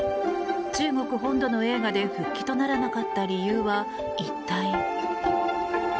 中国本土の映画館で復帰とならなかった理由は一体。